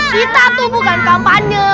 kita tuh bukan kampanye